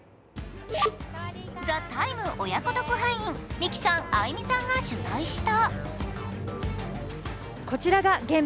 ＴＨＥＴＩＭＥ，親子特派員・ミキさん、アイミさんが取材した。